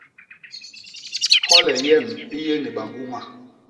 Hyole yem i yé ni bañguña.